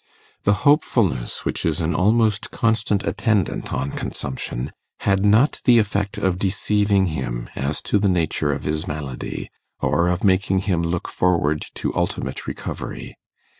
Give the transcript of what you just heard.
The hopefulness which is an almost constant attendant on consumption, had not the effect of deceiving him as to the nature of his malady, or of making him look forward to ultimate recovery.